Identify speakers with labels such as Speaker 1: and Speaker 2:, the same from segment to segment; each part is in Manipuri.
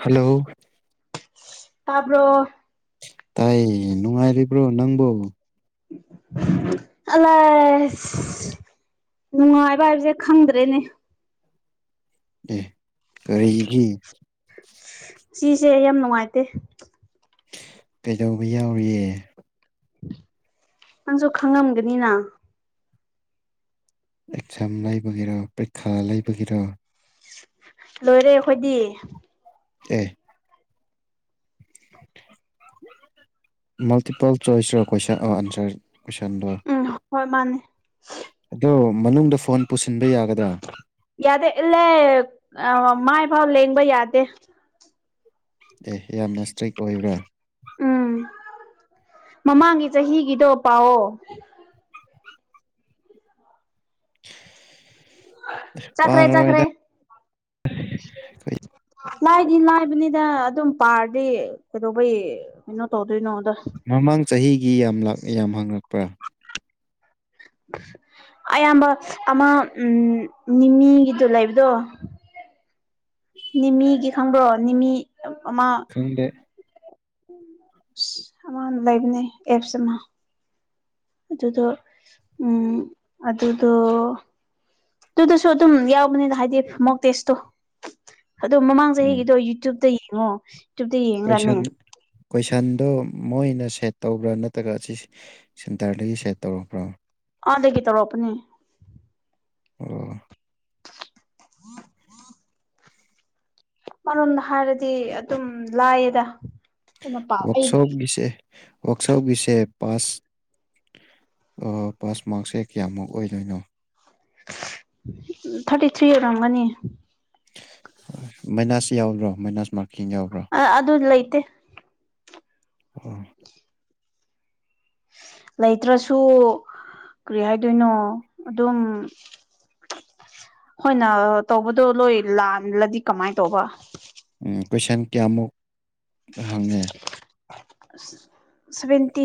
Speaker 1: ꯍꯜꯂꯣ
Speaker 2: ꯇꯥꯔꯕ꯭ꯔꯣ
Speaker 1: ꯇꯥꯏꯌꯦ ꯅꯨꯡꯉꯥꯏꯔꯤꯕ꯭ꯔꯣ ꯅꯪꯕꯨ
Speaker 2: [unintelligible] ꯅꯨꯡꯉꯥꯏꯕ ꯍꯥꯏꯕꯁꯦ ꯈꯪꯗ꯭ꯔꯦꯅꯦ
Speaker 1: ꯑꯦ ꯀꯔꯤꯒꯤ
Speaker 2: ꯁꯤꯁꯦ ꯌꯥꯝ ꯅꯨꯡꯉꯥꯏꯇꯦ
Speaker 1: ꯀꯩꯗꯧꯕ ꯌꯥꯎꯔꯤꯌꯦ
Speaker 2: ꯅꯪꯁꯨ ꯈꯪꯉꯝꯒꯅꯤꯅ
Speaker 1: ꯑꯦꯛꯖꯥꯝ ꯂꯩꯕꯒꯤꯔꯣ ꯄꯔꯤꯈꯥ ꯂꯩꯕꯒꯤꯔꯣ
Speaker 2: ꯂꯣꯏꯔꯦ ꯑꯩꯈꯣꯏꯗꯤ
Speaker 1: ꯑꯦ ꯃꯜꯇꯤꯄꯜ ꯆꯣꯏꯁ ꯀꯑꯣꯑꯟꯁꯔ ꯀꯣꯏꯁꯟꯗꯣ
Speaker 2: ꯎꯝ ꯍꯣꯏ ꯃꯥꯅꯦ
Speaker 1: ꯑꯗꯣ ꯃꯅꯨꯡꯗ ꯐꯣꯟ ꯄꯨꯁꯤꯟꯕ ꯌꯥꯒꯗ꯭ꯔꯥ
Speaker 2: ꯌꯥꯗꯦ ꯏꯂꯦ ꯃꯥꯏꯐꯥꯎ ꯂꯦꯡꯕ ꯌꯥꯗꯦ
Speaker 1: ꯑꯦ ꯌꯥꯝꯅ ꯏꯁꯇ꯭ꯔꯤꯛ ꯑꯣꯏꯕ꯭ꯔꯥ
Speaker 2: ꯎꯝ ꯃꯃꯥꯡꯒꯤ ꯆꯍꯤꯒꯤꯗꯣ ꯄꯥꯎꯑꯣ ꯆꯈ꯭ꯔꯦ ꯆꯈ꯭ꯔꯦ
Speaker 1: ꯄꯥꯔꯔꯣꯏꯗ ꯑꯩꯈꯣꯏ
Speaker 2: ꯂꯥꯏꯗꯤ ꯂꯥꯏꯕꯅꯤꯗ ꯑꯗꯨꯝ ꯄꯥꯔꯗꯤ ꯀꯩꯗꯧꯕꯩ ꯀꯩꯅꯣ ꯇꯧꯗꯣꯏꯅꯣꯗ
Speaker 1: ꯃꯃꯥꯡ ꯆꯍꯤꯒꯤ ꯌꯥꯝ ꯂꯛ ꯌꯥꯝ ꯍꯪꯉꯛꯄ꯭ꯔꯥ
Speaker 2: ꯑꯌꯥꯝꯕ ꯑꯃ ꯎ ꯅꯤꯅꯤꯒꯤꯗꯨ ꯂꯩꯕꯗꯣ ꯅꯤꯃꯤꯒꯤ ꯈꯪꯕ꯭ꯔꯣ ꯅꯤꯃꯤ ꯑꯃ
Speaker 1: ꯈꯪꯗꯦ
Speaker 2: ꯑꯃ ꯂꯩꯕꯅꯦ ꯑꯦꯞꯁ ꯑꯃ ꯑꯗꯨꯗꯣ ꯎ ꯑꯗꯨꯗꯣ ꯑꯗꯨꯗꯁꯨ ꯑꯗꯨꯝ ꯌꯥꯎꯕꯅꯤꯅ ꯍꯥꯏꯗꯤ ꯃꯣꯛ ꯇꯦꯁꯇꯣ ꯑꯗꯣ ꯃꯃꯥꯡ
Speaker 1: ꯎꯝ
Speaker 2: ꯆꯍꯤꯒꯤꯗꯣ ꯌꯨꯇ꯭ꯨꯕꯇ ꯌꯦꯡꯉꯣ ꯌꯨꯇ꯭ꯌꯨꯕꯇ ꯌꯦꯡꯉꯒꯅꯦ
Speaker 1: ꯀꯣꯏꯁꯟ ꯀꯣꯏꯁꯟꯗꯣ ꯃꯣꯏꯅ ꯁꯦꯠ ꯇꯧꯕ꯭ꯔꯥ ꯅꯠꯇ꯭ꯔꯒ ꯑꯁꯤꯁ ꯁꯦꯟꯇꯔꯗꯒꯤ ꯁꯦꯠ ꯇꯧꯛꯄ꯭ꯔꯥ
Speaker 2: ꯑꯗꯩꯗꯒꯤꯈꯤ ꯇ ꯔꯣꯞꯄꯅꯤ
Speaker 1: ꯑꯣ
Speaker 2: ꯃꯔꯣꯝꯗ ꯍꯥꯏꯔꯗꯤ ꯑꯗꯨꯝ ꯂꯥꯏꯌꯦꯗ ꯑꯩꯈꯣꯏꯅ ꯄꯥ ꯑꯩ
Speaker 1: ꯋꯥꯔꯛꯁꯣꯞꯒꯤꯁꯦ ꯋꯥꯔꯛꯁꯣꯞꯒꯤꯁꯦ ꯄꯥꯁ ꯄꯥꯁ ꯃꯥꯔꯛꯁꯦ ꯀꯌꯥꯃꯨꯛ ꯑꯣꯏꯗꯣꯏꯅꯣ
Speaker 2: ꯊꯥꯔꯇꯤ ꯊ꯭ꯔꯤꯔꯒꯅꯤ
Speaker 1: ꯃꯥꯏꯅꯥꯁ ꯌꯥꯎꯕ꯭ꯔꯣ ꯃꯥꯏꯅꯥꯁ ꯃꯥꯔꯀꯤꯡ ꯌꯥꯎꯕ꯭ꯔꯣ
Speaker 2: ꯑ ꯑꯗꯨ ꯂꯩꯇꯦ
Speaker 1: ꯍ
Speaker 2: ꯂꯩꯇ꯭ꯔꯁꯨ ꯀꯔꯤ ꯍꯥꯏꯗꯣꯏꯅꯣ ꯑꯗꯨꯝ ꯍꯣꯏꯅ ꯇꯧꯕꯗꯣ ꯂꯣꯏ ꯂꯜꯂꯗꯤ ꯀꯃꯥꯏꯅ ꯇꯧꯕ
Speaker 1: ꯀꯣꯏꯁꯟ ꯀꯌꯥꯃꯨꯛ ꯍꯪꯉꯦ
Speaker 2: ꯁ꯭ꯕꯇꯤ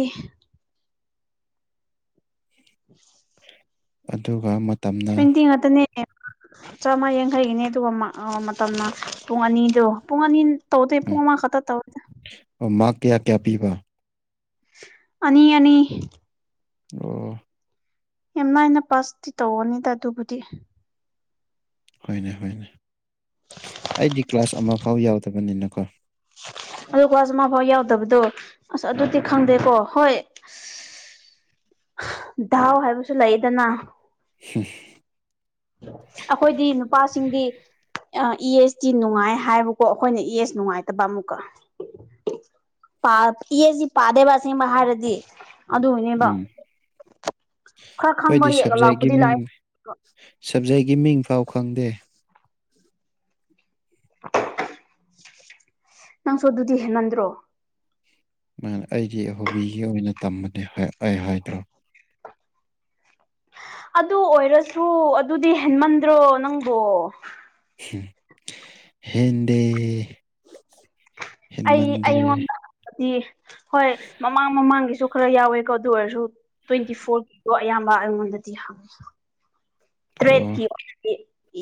Speaker 2: [unintelligible]
Speaker 1: ꯑꯗꯨꯒ ꯃꯇꯝꯅ
Speaker 2: ꯁ꯭ꯋꯦꯟꯇꯤ ꯉꯇꯅꯦ ꯆꯥꯝꯃ ꯌꯥꯡꯈꯩꯒꯤꯅꯦ ꯑꯗꯨꯒ ꯃꯇꯝꯅ ꯄꯨꯡ ꯑꯅꯤꯗꯣ ꯄꯨꯡ ꯑꯅꯤ ꯇꯧꯗ ꯏ ꯄꯣ
Speaker 1: ꯎꯝ
Speaker 2: ꯃꯥ ꯈ ꯇꯧꯗꯦ
Speaker 1: ꯑꯣ ꯃꯥ ꯀꯌꯥ ꯀꯌꯥ ꯄꯤꯕ
Speaker 2: ꯑꯅꯤ ꯑꯅꯤ
Speaker 1: ꯑꯣ
Speaker 2: ꯌꯥꯝ ꯅꯥꯏꯅ ꯄꯥꯁꯇꯤ ꯇꯧꯔꯅꯤꯗ ꯑꯗꯨꯕꯨꯗꯤ
Speaker 1: ꯍꯣꯏꯅꯦ ꯍꯣꯏꯅꯦ ꯑꯩꯗꯤ ꯀ꯭ꯂꯥꯁ ꯑꯃ ꯐꯥꯎ ꯌꯥꯎꯗꯕꯅꯤꯅꯀꯣ
Speaker 2: ꯑꯗꯨꯀ ꯑꯁ ꯃꯥꯐꯥꯎ ꯌꯥꯎꯗꯕꯗꯣ ꯑꯁ ꯑꯗꯨꯗꯤ ꯈꯪꯗꯦꯀꯣ ꯍꯣꯏ ꯙꯎ ꯍꯥꯏꯕꯁꯨ ꯂꯩꯌꯦꯗꯅ
Speaker 1: ꯁ
Speaker 2: ꯑꯩꯈꯣꯏꯗꯤ ꯅꯨꯄꯥꯁꯤꯡꯗꯤ ꯑ ꯏ ꯑꯦꯁꯇꯤ ꯅꯨꯡꯉꯥꯏ ꯍꯥꯏꯕꯀꯣ ꯑꯩꯈꯣꯏꯅ ꯏ ꯑꯦꯁ ꯅꯨꯡꯉꯥꯏꯇꯕ ꯑꯃꯨꯛꯀ
Speaker 1: [unintelligible]
Speaker 2: ꯄꯥ ꯏꯁꯤ ꯄꯥꯗꯦꯕꯥꯁꯤ ꯃꯍꯥꯔꯥꯖ ꯑꯗꯨꯅꯦꯕ
Speaker 1: ꯎꯝ
Speaker 2: ꯈꯔ ꯈꯪꯕ
Speaker 1: ꯑꯩꯈꯣꯏꯗꯤ
Speaker 2: ꯌꯦꯛꯂ
Speaker 1: ꯁꯕꯖꯦꯛꯀꯤ
Speaker 2: ꯂꯥꯛꯄꯨꯗꯤ ꯂꯥꯛꯑꯦ
Speaker 1: ꯃꯤꯡ ꯁꯕꯖꯦꯛꯀꯤ ꯃꯤꯡ ꯐꯥꯎ ꯈꯪꯗꯦ
Speaker 2: ꯅꯪꯁꯨ ꯑꯗꯨꯗꯤ ꯍꯦꯟꯃꯟꯗ꯭ꯔꯣ
Speaker 1: ꯃꯥ ꯑꯩꯗꯤ ꯍꯣꯕꯤꯒꯤ ꯑꯣꯏꯅ ꯇꯝꯕꯅꯦ ꯑꯩ ꯍꯥꯏꯗ꯭ꯔꯣ
Speaker 2: ꯑꯗꯨ ꯑꯣꯏꯔꯁꯨ ꯑꯗꯨꯗꯤ ꯍꯦꯟꯃꯟꯗ꯭ꯔꯣ ꯅꯪꯕꯣ
Speaker 1: ꯍꯗꯤ
Speaker 2: ꯑꯩ ꯑꯩꯉꯣꯟꯗꯗꯤ ꯍꯣꯏ ꯃꯃꯥꯡ ꯃꯃꯥꯡꯒꯤꯁꯨ ꯈꯔ ꯌꯥꯎꯋꯦꯀꯣ ꯑꯗꯨ ꯑꯣꯏꯔꯁꯨ ꯇ꯭ꯋꯦꯟꯇꯤ ꯐꯣꯔꯒꯤꯗꯣ ꯑꯌꯥꯝꯕ ꯑꯩꯉꯣꯟꯗꯗꯤ ꯍꯪꯉꯤ
Speaker 1: ꯑꯣ
Speaker 2: ꯇ꯭ꯔꯦꯠꯀꯤ ꯑꯣꯏꯅꯗꯤ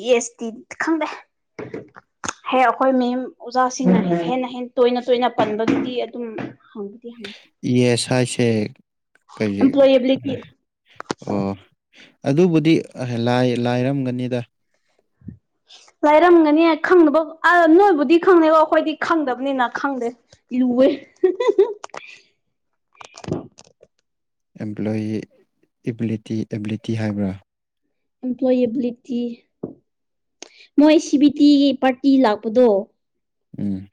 Speaker 2: ꯌꯦꯁꯇꯤ ꯈꯪꯗꯦ ꯍꯦ ꯑꯩꯈꯣꯏ ꯃꯦꯝ ꯑꯣꯖꯥꯁꯤꯡꯅ ꯍꯦꯟꯅ ꯍꯦꯟꯅ ꯇꯣꯏꯅ ꯇꯣꯏꯅ ꯄꯟꯕꯒꯤꯗꯤ ꯑꯗꯨꯝ ꯍꯪꯗꯤ ꯍꯥꯏ
Speaker 1: ꯏ ꯑꯦꯁꯥꯁ ꯀ
Speaker 2: ꯑꯦꯝꯄ꯭ꯂꯣꯌꯦꯕꯤꯂꯤꯇꯤ
Speaker 1: ꯑꯣ ꯑꯗꯨꯕꯨꯗꯤ ꯂꯥꯏꯔꯝꯒꯅꯤꯗ
Speaker 2: ꯂꯥꯏꯔꯝꯒꯅꯤ ꯈꯪꯅꯕ ꯅꯣꯏꯕꯨꯗꯤ ꯈꯪꯅꯦꯕꯣ ꯑꯩꯈꯣꯏꯗꯤ ꯈꯪꯗꯕꯅꯤꯅ ꯈꯪꯗꯦ ꯏ ꯎꯋꯦ
Speaker 1: ꯑꯦꯝꯄ꯭ꯂꯣꯏꯣꯌꯤ ꯑꯦꯕꯤꯂꯤꯇꯤ ꯍꯥꯏꯕ꯭ꯔꯥ
Speaker 2: ꯑꯝꯄ꯭ꯂꯣꯏꯌꯦꯕꯤꯂꯤꯇꯤ ꯃꯣꯏ ꯁꯤ ꯕꯤ ꯇꯤꯒꯤ ꯄꯥꯔꯇꯤ ꯂꯥꯛꯄꯗꯣ
Speaker 1: ꯎꯝ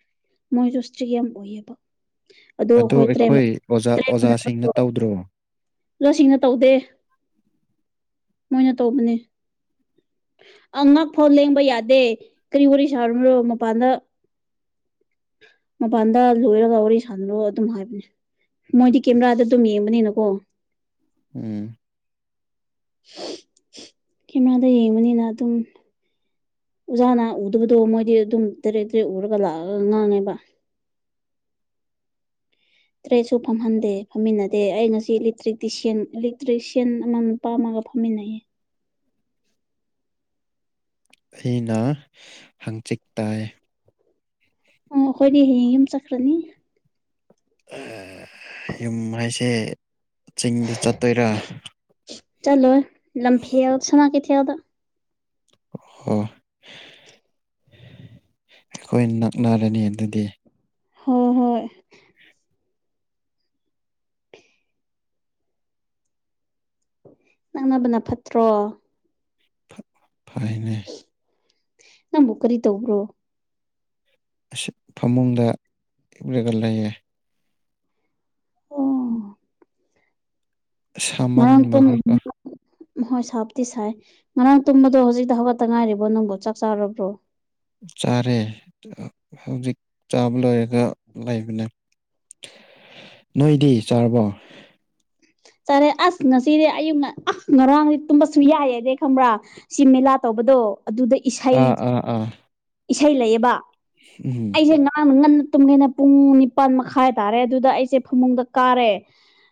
Speaker 2: ꯃꯣꯏꯁꯨ ꯏꯁꯇ꯭ꯔꯤ ꯌꯥꯝ ꯑꯣꯏꯌꯦꯕ
Speaker 1: ꯑꯗꯣ ꯑꯩꯈꯣꯏ ꯑꯣꯖꯥ ꯑꯣꯖꯥꯁꯤꯡꯅ ꯇꯧꯗ꯭ꯔꯣ
Speaker 2: ꯑꯣꯖꯥꯁꯤꯡꯅ ꯇꯧꯗꯦ ꯃꯣꯏꯅ ꯇꯧꯕꯅꯦ ꯑꯉꯛ ꯐꯥꯎ ꯂꯦꯡꯕ ꯌꯥꯗꯦ ꯀꯔꯤ ꯋꯥꯔꯤ ꯁꯥꯔꯨꯅꯣ ꯃꯄꯥꯟꯗ ꯃꯄꯥꯟꯗ ꯂꯣꯏꯔꯒ ꯋꯥꯔꯤ ꯁꯥꯟꯅꯔꯣ ꯑꯗꯨꯝ ꯍꯥꯏꯕꯅꯦ ꯃꯣꯏꯗꯤ ꯀꯦꯃꯦꯔꯥꯗ ꯑꯗꯨꯝ ꯌꯦꯡꯕꯅꯤꯅꯀꯣ
Speaker 1: ꯎꯝ
Speaker 2: ꯀꯦꯃꯦꯔꯥꯗ ꯌꯦꯡꯕꯅꯤꯅ ꯑꯗꯨꯝ ꯑꯣꯖꯥꯅ ꯎꯗꯕꯗꯣ ꯃꯣꯏꯗꯤ ꯑꯗꯨꯝ ꯇꯔꯦꯠ ꯇꯔꯦꯠ ꯎꯔꯒ ꯂꯥꯛꯑꯒ ꯉꯥꯡꯉꯦꯕ ꯇ꯭ꯔꯦꯠꯁꯨ ꯐꯝꯍꯟꯗꯦ ꯐꯝꯃꯤꯟꯅꯗꯦ ꯑꯩ ꯉꯁꯤꯂꯦꯛꯇꯔꯤꯛꯇꯤꯁꯤꯌꯥꯟ ꯏꯂꯦꯛꯇ꯭ꯔꯤꯁꯤꯌꯥꯟ ꯑꯃꯃꯝ ꯄꯥꯝꯃꯒ ꯐꯝꯃꯤꯟꯅꯩ
Speaker 1: ꯑꯩꯅ ꯍꯪꯆꯤꯛ ꯇꯥꯏ
Speaker 2: ꯑꯣ ꯑꯩꯈꯣꯏꯗꯤ ꯍꯌꯦꯡ ꯌꯨꯝ ꯆꯠꯈ꯭ꯔꯅꯤ
Speaker 1: ꯌꯨꯝ ꯍꯥꯏꯁꯦ ꯆꯤꯡꯗ ꯆꯠꯇꯣꯏꯔꯥ
Speaker 2: ꯆꯂꯣ ꯂꯝꯐꯦ ꯁꯅꯥ ꯀꯊꯦ ꯑꯣꯎ
Speaker 1: ꯑꯣ ꯍꯣ ꯑꯩꯈꯣꯏ ꯅꯛꯅꯔꯅꯤ ꯑꯗꯨꯗꯤ
Speaker 2: ꯍꯣꯏ ꯍꯣꯏ ꯅꯪꯅꯕꯅ ꯐꯠꯇ꯭ꯔꯣ
Speaker 1: ꯐꯥꯏꯅꯦ
Speaker 2: ꯅꯪꯕꯨ ꯀꯔꯤ ꯇꯧꯕ꯭ꯔꯣ
Speaker 1: ꯐꯃꯨꯡꯗ ꯏꯛꯂꯒ ꯂꯩꯌꯦ
Speaker 2: ꯑꯣ ꯉꯔꯥꯡ ꯇꯨꯝ
Speaker 1: ꯁꯥꯃꯟꯕꯒꯤꯀꯣ
Speaker 2: [unintelligible] ꯝ ꯍꯣꯏ ꯁꯥꯞꯇꯤ ꯁꯥꯏ ꯉꯔꯥꯡ ꯇꯨꯝꯕꯗꯣ ꯍꯧꯖꯤꯛꯇ ꯍꯧꯋꯥꯠꯇ ꯉꯥꯏꯔꯤꯕ꯭ꯔꯣ ꯅꯪꯕꯨꯣ ꯆꯥꯛ ꯆꯥꯔꯕ꯭ꯔꯣ
Speaker 1: ꯆꯥꯔꯦ ꯍꯧꯖꯤꯛ ꯆꯥꯕ ꯂꯣꯏꯔꯒ ꯂꯩꯕꯅꯦ ꯅꯣꯏꯗꯤ ꯆꯥꯔꯕꯣ
Speaker 2: ꯆꯔꯦ ꯑꯁ ꯉꯁꯤꯗꯤ ꯑꯌꯨꯛꯅ ꯑꯁ ꯉꯔꯥꯡꯗꯤ ꯇꯨꯝꯕꯁꯨ ꯌꯥꯏꯑꯗꯤ ꯈꯪꯕ꯭ꯔꯥ ꯁꯤ ꯃꯦꯂꯥ ꯇꯧꯕꯗꯣ ꯑꯗꯨꯗ ꯏꯁꯩ
Speaker 1: ꯑꯥ ꯑꯥ
Speaker 2: ꯏꯁꯩ ꯂꯩꯌꯦꯕ
Speaker 1: ꯎꯝꯨꯝ
Speaker 2: ꯑꯩꯁꯦ ꯉꯥꯡꯅ ꯉꯟꯅ ꯇꯨꯝꯒꯦꯅ ꯄꯨꯡ ꯅꯤꯄꯥꯟ ꯃꯈꯥꯏ ꯇꯥꯔꯦ ꯑꯗꯨꯗ ꯑꯩꯁꯦ ꯐꯃꯨꯡꯗ ꯀꯥꯔꯦ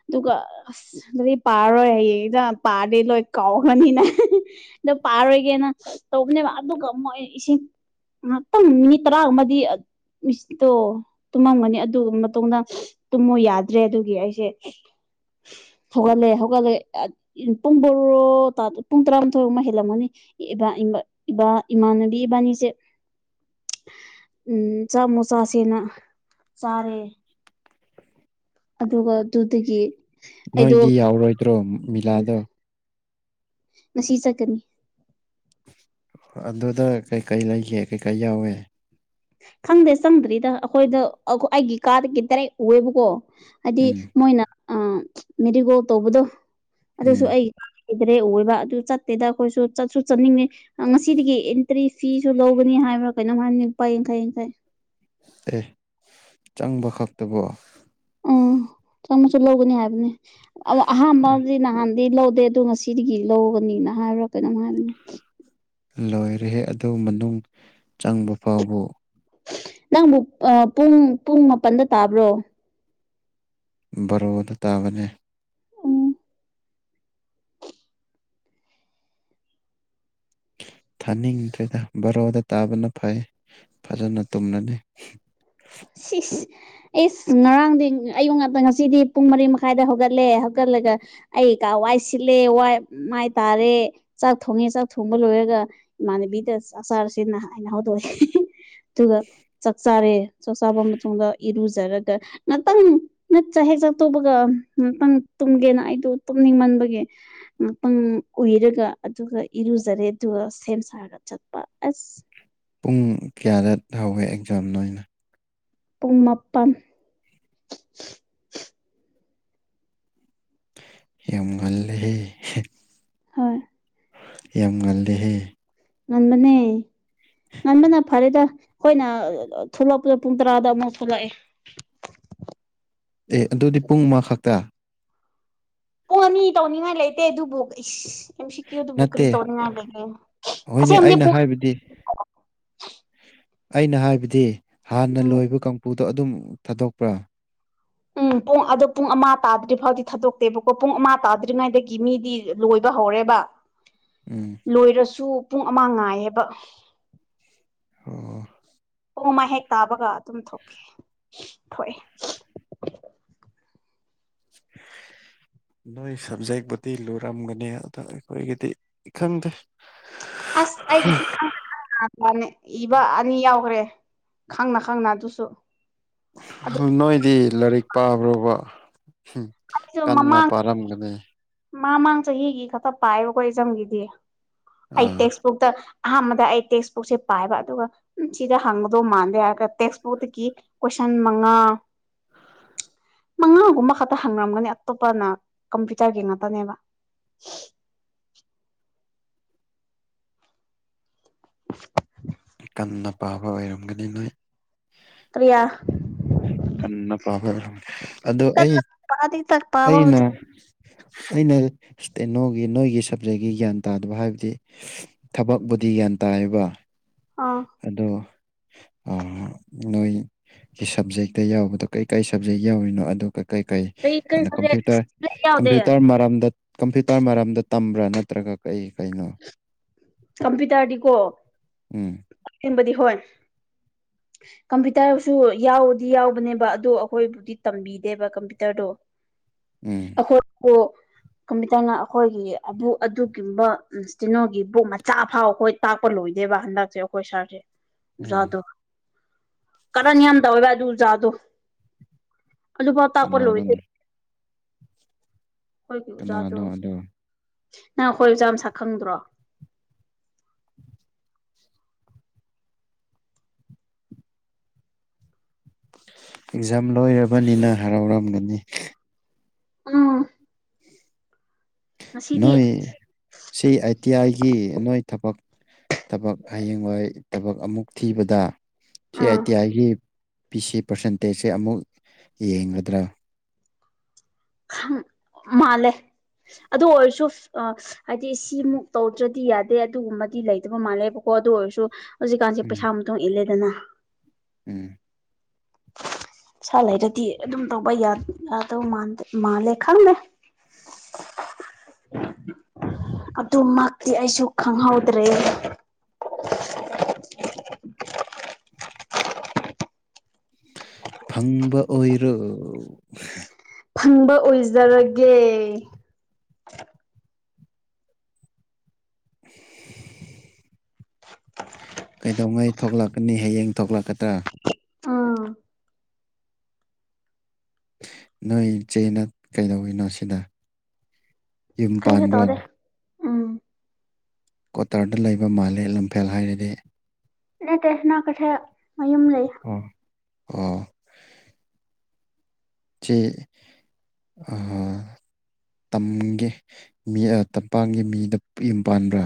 Speaker 2: ꯑꯗꯨꯒ ꯑꯁ ꯑꯗꯨꯗꯤ ꯄꯥꯔꯔꯣꯏ ꯍꯌꯦꯡꯗ ꯄꯥꯔꯗꯤꯦ ꯂꯣꯏ ꯀꯥꯎꯈꯅꯤꯅꯦ ꯗ ꯄꯥꯔꯣꯏꯒꯦꯅ ꯇꯧꯕꯅꯦꯕ ꯑꯗꯨꯒ ꯑꯃꯨꯛ ꯑ ꯏꯁꯤꯡ ꯉꯥꯏꯍꯥꯛꯇꯪ ꯃꯤꯅꯤꯠ ꯇꯔꯥꯒ ꯑꯃꯗꯤ ꯃꯤꯁꯤꯠꯇꯣ ꯇꯨꯝꯃꯝꯒꯅꯤ ꯑꯗꯨ ꯃꯇꯨꯡꯗ ꯇꯨꯝꯃꯨ ꯌꯥꯗ꯭ꯔꯦ ꯑꯗꯨꯒꯤ ꯑꯩꯁꯦ ꯍꯧꯒꯠꯂꯑꯦ ꯍꯧꯒꯠꯂꯦ ꯄꯨꯡ ꯣꯔꯣ ꯄꯨꯡ ꯇꯔꯥꯃꯥꯊꯣꯏꯨ ꯍꯦꯜꯂꯝꯒꯅꯤ ꯏꯕꯥ ꯏ ꯏꯕꯥ ꯏꯃꯥꯅꯨꯕꯤ ꯏꯕꯥꯅꯤꯁꯦ ꯎꯝ ꯆꯥꯛ ꯃꯨ ꯆꯥꯁꯦꯅ ꯆꯥꯔꯦ ꯑꯗꯨꯒ ꯑꯗꯨꯗꯒꯤ ꯑꯩꯗꯣ
Speaker 1: ꯅꯣꯏꯗꯤ ꯌꯥꯎꯔꯣꯏꯗ꯭ꯔꯣ ꯃꯤꯂꯥꯗꯣ
Speaker 2: ꯃꯁꯤ ꯆꯠꯀꯅꯤ
Speaker 1: ꯍ ꯑꯗꯨꯗ ꯀꯩꯀꯩ ꯂꯩꯒꯦ ꯀꯩꯀꯩ ꯌꯥꯎꯋꯦ
Speaker 2: ꯈꯪꯗꯦ ꯆꯪꯗ꯭ꯔꯤꯗ ꯑꯩꯈꯣꯏꯗ ꯑꯩꯒꯤ ꯀꯥꯗꯒꯤ ꯇꯗꯥꯔꯦꯛ ꯎꯑꯦꯕꯀꯣ ꯍꯥꯏꯗꯤ
Speaker 1: ꯎꯝ
Speaker 2: ꯃꯣꯏꯅ ꯃꯦꯔꯤꯒꯣꯜ ꯇꯧꯕꯗꯣ ꯑꯗꯨꯁꯨ
Speaker 1: ꯎꯝ
Speaker 2: ꯑꯩ ꯂꯩꯗ꯭ꯔꯦ ꯑꯣꯏꯕ ꯑꯗꯨ ꯆꯠꯇꯦꯗ ꯑꯩꯈꯣꯏꯁꯨ ꯆꯠꯁꯨ ꯆꯠꯅꯤꯡꯉꯤ ꯉꯁꯤꯗꯒꯤ ꯑꯦꯟꯇ꯭ꯔꯤ ꯐꯤꯁꯨ ꯂꯧꯒꯅꯤ ꯍꯥꯏꯕ꯭ꯔꯥ ꯀꯩꯅꯣ ꯍꯥꯏꯅꯤ ꯂꯨꯄꯥ ꯌꯥꯡꯈꯩ ꯌꯥꯡꯈꯩ
Speaker 1: ꯑꯦ ꯆꯪꯕ ꯈꯛꯇꯕꯣ
Speaker 2: ꯎꯝ ꯆꯪꯃꯁꯨ ꯂꯧꯒꯅꯤ ꯍꯥꯏꯕꯅꯦ ꯑꯍꯥꯟꯕꯗꯤ ꯅꯍꯥꯟ ꯗꯤ ꯂꯧꯗꯦ ꯑꯣ ꯉꯁꯤꯗꯒꯤ ꯂꯧꯒꯅꯤꯅ ꯍꯥꯏꯕ꯭ꯔꯥ ꯀꯩꯅꯣꯝ ꯍꯥꯏꯕꯅꯦ
Speaker 1: ꯂꯣꯏꯔꯦꯍꯦ ꯑꯗꯨ ꯃꯅꯨꯡ ꯆꯪꯕ ꯐꯥꯎꯕ
Speaker 2: ꯅꯪꯕꯨ ꯑ ꯄꯨꯡ ꯄꯨꯡ ꯃꯥꯄꯟꯗ ꯇꯥꯕ꯭ꯔꯣ
Speaker 1: ꯕꯔꯣꯗ ꯇꯥꯕꯅꯦ
Speaker 2: ꯎꯝ
Speaker 1: ꯊꯥꯅꯤꯡꯗ꯭ꯔꯦꯗ ꯕꯔꯣꯗ ꯇꯥꯕꯅ ꯐꯩ ꯐꯖꯅ ꯇꯨꯝꯂꯅꯤ
Speaker 2: ꯁꯤꯁ ꯑꯩꯁ ꯉꯔꯥꯡꯗꯤ ꯑꯌꯨꯛ ꯉꯇ ꯉꯁꯤꯗꯤ ꯄꯨꯡ ꯃꯔꯤ ꯃꯈꯥꯏꯗ ꯍꯧꯒꯠꯂꯦ ꯍꯧꯒꯠꯂꯒ ꯑꯩ ꯋꯥꯏ ꯁꯤꯠꯂꯦ ꯋꯥꯏ ꯃꯥꯏ ꯇꯥꯔꯦ ꯆꯥꯛ ꯊꯣꯡꯉꯦ ꯆꯥꯛ ꯊꯣꯡꯕ ꯂꯣꯏꯔꯒ ꯏꯃꯅꯕꯤꯗ ꯆ ꯆꯥꯔꯁꯤꯦꯅ ꯍꯥꯏꯅ ꯍꯧꯗꯣꯛꯑꯁꯦ ꯑꯗꯨꯒ ꯆꯥꯛ ꯆꯥꯔꯦ ꯆꯥꯛ ꯆꯥꯕ ꯃꯇꯨꯡꯗ ꯏꯔꯨꯖꯔꯒ ꯉꯥꯛꯇꯪ ꯅꯠ ꯆꯥꯛ ꯍꯦꯛ ꯆꯥꯛ ꯇꯨꯧꯕꯒ ꯉꯇꯪ ꯇꯨꯝꯒꯦꯅ ꯑꯩꯗ ꯇꯨꯝꯅꯤꯡꯃꯟꯕꯒꯤ ꯃꯄꯪ ꯎꯏꯔꯒ ꯑꯗꯨꯒ ꯏꯔꯨꯖꯔꯦ ꯑꯗꯨꯒ ꯁꯦꯝ ꯁꯥꯔꯒ ꯆꯠꯄ ꯑꯁ
Speaker 1: ꯄꯨꯡ ꯀꯌꯥꯔꯠ ꯍꯧꯋꯦ ꯑꯦꯛꯖꯥꯝꯅ ꯑꯣꯏꯅ
Speaker 2: ꯄꯨꯡ ꯃꯥꯄꯟ
Speaker 1: ꯌꯥꯝ ꯉꯜꯂꯦꯍꯦ
Speaker 2: ꯍꯣꯏ
Speaker 1: ꯌꯥꯝ ꯉꯜꯂꯤꯍꯦ
Speaker 2: ꯉꯟꯕꯅꯦ ꯉꯟꯕꯅ ꯐꯔꯦꯗ ꯑꯩꯈꯣꯏꯅ ꯊꯣꯛꯂꯛꯄꯗ ꯄꯨꯡ ꯇꯔꯥꯗ ꯑꯃꯨꯛ ꯊꯣꯛꯂꯛꯑꯦ
Speaker 1: ꯑꯦ ꯑꯗꯨꯗꯤ ꯄꯨꯡ ꯑꯃ ꯈꯛꯇ
Speaker 2: ꯄꯨꯡ ꯑꯅꯤ ꯇꯧꯅꯤꯡꯉꯥꯏ ꯂꯩꯇꯦ ꯑꯗꯨꯕꯨ ꯑꯦꯝ ꯁꯤ ꯀ꯭ꯌꯨꯗꯗꯤ ꯕꯨꯀꯔꯤ
Speaker 1: ꯅꯠꯇꯦ
Speaker 2: ꯇꯧꯅꯤꯡ ꯂꯩ ꯑꯁꯤꯁꯦ
Speaker 1: ꯍꯣꯏꯅꯦ
Speaker 2: ꯑꯗꯤ
Speaker 1: ꯑꯩꯅ ꯍꯥꯏꯕꯗꯤ ꯑꯩꯅ ꯍꯥꯏꯕꯗꯤ ꯍꯥꯟꯅ
Speaker 2: ꯎꯝ
Speaker 1: ꯂꯣꯏꯕ ꯀꯥꯡꯄꯨꯗꯣ ꯑꯗꯨꯝ ꯊꯥꯗꯣꯛꯄ꯭ꯔꯥ
Speaker 2: ꯎꯝ ꯄꯨꯡ ꯑꯣ ꯄꯨꯡ ꯑꯃ ꯇꯥꯗ꯭ꯔꯤ ꯐꯥꯎꯗꯤ ꯊꯥꯗꯣꯛꯇꯦꯕꯀꯣ ꯄꯨꯡ ꯑꯃ ꯇꯥꯗ꯭ꯔꯤꯉꯩꯗꯒꯤ ꯃꯤꯗꯤ ꯂꯣꯏꯕ ꯍꯧꯔꯦꯕ
Speaker 1: ꯎꯝ
Speaker 2: ꯂꯣꯏꯔꯁꯨ ꯄꯨꯡ ꯑꯃ ꯉꯥꯏꯌꯦꯕ
Speaker 1: ꯑꯣ
Speaker 2: ꯄꯨꯡ ꯑꯃ ꯍꯦꯛ ꯇꯥꯕꯒ ꯑꯗꯨꯝ ꯊꯣꯛꯀꯦ ꯊꯣꯛꯑꯦ
Speaker 1: [inaudible] ꯅꯣꯏ ꯁꯕꯖꯦꯛꯄꯨꯗꯤ ꯂꯨꯔꯝꯒꯅꯤ ꯑꯗꯣ ꯑꯩꯈꯣꯏꯒꯤꯗꯤ ꯈꯪꯗꯦ
Speaker 2: ꯑꯁ ꯑꯩꯒꯤꯗꯤ [unintelligible] ꯂꯥꯟꯅ ꯏꯕ ꯑꯅꯤ ꯌꯥꯎꯈ꯭ꯔꯦ ꯈꯪꯅ ꯈꯪꯅ ꯑꯗꯨꯁꯨ ꯑꯗꯨ
Speaker 1: ꯅꯣꯏꯗꯤ ꯂꯥꯏꯔꯤꯛ ꯄꯥꯕ꯭ꯔꯕ
Speaker 2: ꯑꯩꯁꯨ
Speaker 1: ꯀꯟꯅ
Speaker 2: ꯃꯃꯥꯡ
Speaker 1: ꯄꯥꯔꯝꯒꯅꯤ
Speaker 2: ꯃꯃꯥꯡ ꯆꯍꯤꯒꯤ ꯈꯛꯇ ꯄꯥꯏꯕꯀꯣ ꯏꯖꯝꯒꯤꯗꯤ ꯑꯩ
Speaker 1: ꯑꯥ
Speaker 2: ꯇꯦꯛꯁ ꯕꯨꯛꯇ ꯑꯍꯥꯟꯕꯗ ꯑꯩ ꯇꯦꯛꯁꯕꯨꯛꯁꯦ ꯄꯥꯏꯕ ꯑꯗꯨꯒ ꯎ ꯁꯤꯗ ꯍꯪꯗꯣ ꯃꯥꯟꯗꯦ ꯍꯥꯏ ꯇꯦꯛꯁꯕꯨꯛꯇꯀꯤ ꯀꯣꯏꯁꯟ ꯃꯉꯥ
Speaker 1: [inaudible]
Speaker 2: ꯃꯉꯥꯒꯨꯝꯕ ꯈꯛꯇ ꯍꯪꯅꯔꯝꯒꯅꯤ ꯑꯇꯣꯞꯄꯅ ꯀꯝꯄ꯭ꯌꯨꯇꯔꯒꯤ ꯉꯥꯛꯇꯅꯦꯕ
Speaker 1: ꯃꯨꯟꯅ ꯄꯥꯕ ꯑꯣꯏꯔꯝꯒꯅꯤ ꯅꯣꯏ
Speaker 2: ꯀꯔꯤꯌꯥ
Speaker 1: ꯀꯟꯅ ꯄꯥꯕ ꯑꯣꯏꯔꯝꯒꯅꯤ ꯑꯗꯣ ꯑꯩ
Speaker 2: ꯀꯟꯅ ꯄꯥꯗꯤ ꯇꯛ
Speaker 1: ꯑꯩꯅ
Speaker 2: ꯄꯥꯕꯕꯨꯗꯤ
Speaker 1: ꯑꯩꯅ ꯏꯁ ꯅꯣꯒꯤ ꯅꯣꯏꯒꯤ ꯁꯞꯖꯦꯛꯀꯤ ꯒ꯭ꯌꯥꯟ ꯇꯥꯗꯕ ꯍꯥꯏꯕꯗꯤ ꯊꯕꯛꯄꯕꯨꯗꯤ ꯒ꯭ꯌꯥꯟ ꯇꯥꯌꯦꯕ
Speaker 2: ꯑꯥ
Speaker 1: ꯑꯗꯣ ꯅꯣꯏꯒꯤ ꯁꯕꯖꯦꯛ ꯗ ꯌꯥꯎꯕꯗꯣ ꯀꯩ ꯀꯥꯏ ꯁꯕꯖꯦꯛ ꯌꯥꯎꯔꯤꯅꯣ ꯑꯗꯨ ꯀꯩ ꯀꯩ
Speaker 2: ꯀꯔꯤ ꯀꯔꯤ
Speaker 1: ꯑꯗꯨꯅ
Speaker 2: ꯁꯕꯖꯦꯛ
Speaker 1: ꯀꯝꯄ꯭ꯌꯨꯇꯔ
Speaker 2: ꯁꯕꯖꯦꯛ ꯌꯥꯎꯗꯦ
Speaker 1: ꯀꯝꯄ꯭ꯌꯨꯇꯔ ꯃꯔꯝꯗ ꯀꯝꯄ꯭ꯌꯨꯇꯔ ꯃꯔꯝꯗ ꯇꯝꯕ꯭ꯔꯥ ꯅꯠꯇ꯭ꯔꯒ ꯀꯩ ꯀꯩꯅꯣ
Speaker 2: ꯀꯝꯄꯤꯇꯥꯔꯗꯤꯀꯣ
Speaker 1: ꯎꯝ
Speaker 2: ꯕꯗꯤ ꯍꯣꯏ
Speaker 1: [unintelligible]
Speaker 2: ꯀꯝꯄ꯭ꯌꯨꯇꯔꯁꯨ ꯌꯥꯎꯗꯤ ꯌꯥꯎꯕꯅꯦꯕ ꯑꯗꯨꯗ ꯑꯩꯈꯣꯏꯕꯨꯗꯤ ꯇꯝꯕꯤꯗꯦꯕ ꯀꯝꯄ꯭ꯌꯨꯇꯔꯗꯣ
Speaker 1: ꯎꯝ
Speaker 2: ꯑꯩꯈꯣꯏꯣ ꯀꯝꯃꯦꯇꯅ ꯑꯩꯈꯣꯏꯒꯤ ꯑꯗꯨꯒꯨꯝꯕ ꯀꯩꯅꯣꯒꯤ ꯕꯣꯛ ꯃꯆꯥ ꯐꯥꯎ ꯑꯩꯈꯣꯏ ꯇꯥꯛꯄ ꯂꯣꯏꯗꯦꯕ ꯍꯟꯗꯛꯁꯦ ꯑꯩꯈꯣꯏ ꯁꯥꯔꯁꯦ
Speaker 1: ꯎꯝ
Speaker 2: ꯑꯣꯖꯥꯗꯣ ꯀꯔꯟ ꯌꯥꯝ ꯇꯧꯋꯦꯕ ꯑꯗꯨ ꯎꯖꯥꯗꯣ ꯑꯗꯨꯐꯥꯎ ꯇꯥꯛꯄ
Speaker 1: ꯀꯅꯥꯅꯣ
Speaker 2: ꯂꯣꯏꯗꯦ ꯑꯩꯈꯣꯏꯒꯤ ꯑꯣꯖꯥꯗꯣ
Speaker 1: ꯀꯅꯥꯅꯣ ꯑꯗꯣ
Speaker 2: ꯅꯪ ꯑꯩꯈꯣꯏ ꯑꯣꯖꯥꯝ ꯁꯛꯈꯪꯗ꯭ꯔꯣ
Speaker 1: ꯑꯦꯛꯖꯥꯝ ꯂꯣꯏꯔꯕꯅꯤꯅ ꯍꯔꯥꯎꯔꯝꯒꯅꯤ
Speaker 2: ꯑꯥ
Speaker 1: ꯅꯣꯏ ꯁꯤ ꯑꯥꯏ ꯇꯤ ꯑꯥꯏꯒꯤ ꯅꯣꯏ ꯊꯕꯛ ꯊꯕꯛ ꯍꯌꯦꯡꯋꯥꯏ ꯊꯕꯛ ꯑꯃꯨꯛ ꯊꯤꯕꯗ ꯁꯤ ꯑꯥꯏ
Speaker 2: ꯎꯝ
Speaker 1: ꯇꯤ ꯑꯥꯏꯒꯤ ꯄꯤ ꯁꯤ ꯄꯥꯔꯁꯦꯟꯇꯦꯖꯁꯦ ꯑꯃꯨꯛ ꯌꯦꯡꯒꯗ꯭ꯔꯥ
Speaker 2: ꯃꯥꯜꯂꯦ ꯑꯗꯨ ꯑꯣꯏꯔꯁꯨ ꯑ ꯍꯥꯏꯗꯤ ꯁꯤꯃꯨꯛ ꯇꯧꯗ꯭ꯔꯗꯤ ꯌꯥꯗꯦ ꯑꯗꯨꯒꯨꯝꯕꯗꯤ ꯂꯩꯇꯕ ꯃꯥꯜꯂꯦꯕꯀꯣ ꯑꯗꯨ ꯑꯣꯏꯔꯁꯨ ꯍꯧꯖꯤꯛꯀꯥꯟꯁꯤꯦ
Speaker 1: ꯎꯝ
Speaker 2: ꯄꯩꯁꯥ ꯃ ꯏꯜꯂꯦꯗꯅ
Speaker 1: ꯎꯝ
Speaker 2: ꯏꯁ ꯂꯩꯔꯗꯤ ꯑꯗꯨꯝ ꯇꯧꯕ ꯌꯥꯗꯧ ꯃꯥꯜꯂꯦ ꯈꯪꯉꯦ
Speaker 1: [unintelligible]
Speaker 2: ꯑꯗꯨꯃꯛꯇꯤ ꯑꯩꯁꯨ ꯈꯪꯍꯧꯗ꯭ꯔꯦ
Speaker 1: ꯐꯪꯕ ꯑꯣꯏꯔꯣ
Speaker 2: ꯐꯪꯕ ꯑꯣꯏꯖꯔꯒꯦ
Speaker 1: [inaudible] ꯀꯩꯗꯧꯉꯩ ꯊꯣꯛꯂꯛꯀꯅꯤ ꯍꯌꯦꯡ ꯊꯣꯛꯂꯛꯀꯗ꯭ꯔꯥ
Speaker 2: ꯎꯝ
Speaker 1: ꯅꯣꯏ ꯏꯆꯦꯅ ꯀꯩꯗꯧꯋꯤꯅꯣ ꯁꯤꯗ ꯌꯨꯝ
Speaker 2: ꯀꯩꯁꯨ ꯇꯧꯗꯦ
Speaker 1: ꯄꯥꯟꯕ꯭ꯔꯅ
Speaker 2: ꯎꯝ
Speaker 1: ꯀ꯭ꯋꯥꯇꯔꯗ ꯂꯩꯕ ꯃꯥꯜꯂꯦ ꯂꯝꯐꯦꯜ ꯍꯥꯏꯔꯗꯤ
Speaker 2: ꯑ ꯇ ꯍꯅꯥ ꯀꯊꯦ ꯃꯌꯨꯝ ꯂꯩ
Speaker 1: ꯑꯣ ꯑꯣ ꯆꯦ ꯑ ꯇꯝꯒꯤ ꯃꯤ ꯇꯝꯄꯥꯛꯒꯤ ꯃꯤꯗ ꯌꯨꯝ ꯄꯥꯟꯕ꯭ꯔꯥ